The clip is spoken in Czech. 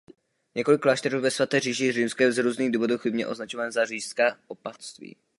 Několik klášterů ve Svaté říši římské z různých důvodů chybně označováno za říšská opatství.